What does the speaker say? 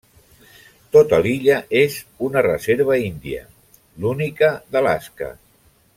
Tota l'illa és una reserva índia, l'única d'Alaska.